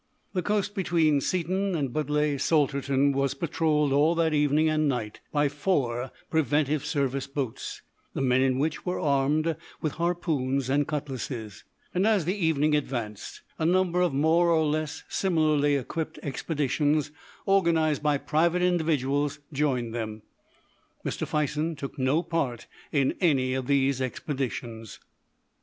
The coast between Seaton and Budleigh Salterton was patrolled all that evening and night by four Preventive Service boats, the men in which were armed with harpoons and cutlasses, and as the evening advanced, a number of more or less similarly equipped expeditions, organised by private individuals, joined them. Mr. Fison took no part in any of these expeditions.